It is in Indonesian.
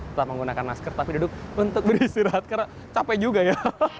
tetap menggunakan masker tapi duduk untuk beristirahat karena capek juga ya